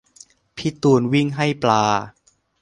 พี่ตูนวิ่งให้ปลา